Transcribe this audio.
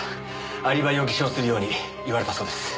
アリバイを偽証するように言われたそうです。